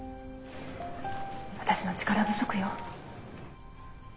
私の力不足よ。